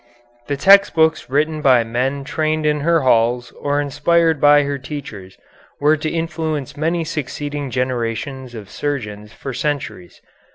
The text books written by men trained in her halls or inspired by her teachers were to influence many succeeding generations of surgeons for centuries.